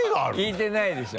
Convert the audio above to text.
聞いてないでしょ。